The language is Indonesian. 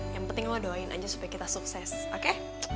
yang penting lo doain aja supaya kita sukses oke